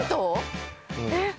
えっ？